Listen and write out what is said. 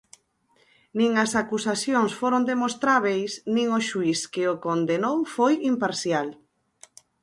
Nin as acusacións foron demostrábeis nin o xuíz que o condenou foi imparcial.